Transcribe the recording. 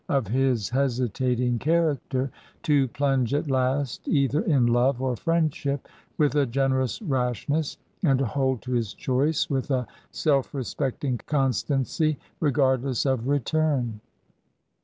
129 of his hesitating character to plunge at last, either in love or friendship, with a generous rashness, and to hold to his choice with a self respecting constancy regardless of return.